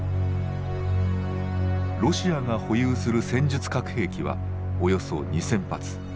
ロシアが保有する戦術核兵器はおよそ２，０００発。